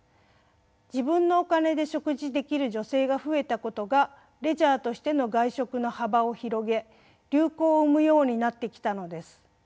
自分のお金で食事できる女性が増えたことがレジャーとしての外食の幅を広げ流行を生むようになってきたのです。